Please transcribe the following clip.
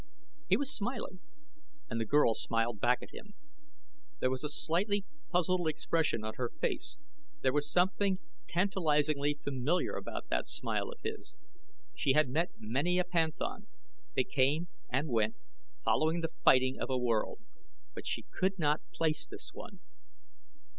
He was smiling and the girl smiled back at him. There was a slightly puzzled expression on her face there was something tantalizingly familiar about that smile of his. She had met many a panthan they came and went, following the fighting of a world but she could not place this one.